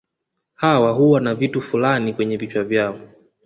Hawa huwa na vitu fulani kwenye vichwa vyao